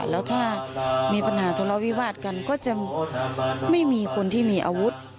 แล้วถ้ามีปัญหาทะเลาวิวาสกันก็จะไม่มีคนที่มีอาวุธ